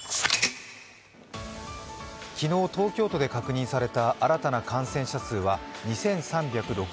昨日、東京都で確認された新たな感染者数は２３６２人。